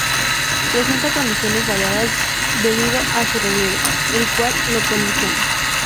Presenta condiciones variadas debido a su relieve, el cual lo condiciona.